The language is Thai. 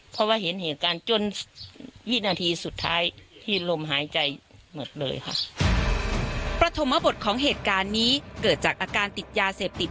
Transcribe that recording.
เพราะว่าเห็นเหตุการณ์จนวินาทีสุดท้ายที่ลมหายใจหมดเลยค่ะประถมบทของเหตุการณ์นี้เกิดจากอาการติดยาเสพติด